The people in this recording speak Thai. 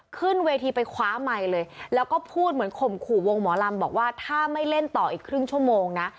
ขึ้นเวทีไปคว้าไมค์เลยแล้วก็พูดเหมือนข่มขู่วงหมอลำบอกว่าถ้าไม่เล่นต่ออีกครึ่งชั่วโมงนะ